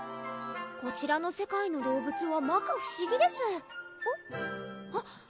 こちらの世界の動物は摩訶不思議ですあっ！